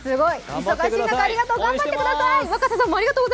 忙しい中、ありがとう、頑張ってください！